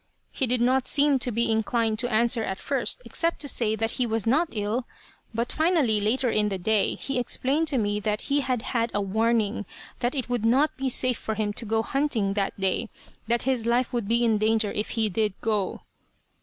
he did not seem to be inclined to answer at first, except to say that he was not ill; but finally, later in the day, he explained to me that he had had a 'warning' that it would not be safe for him to go hunting that day; that his life would be in danger if he did go.